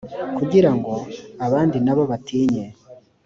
kugira ngo abandi na bo batinye